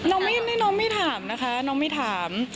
น้องไม่ถามนะคะน้องไม่ถาม